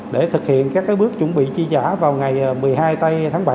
để thực hiện các cái bước chuẩn bị chi giả vào ngày một mươi hai tây tháng bảy